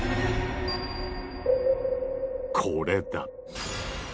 これだ。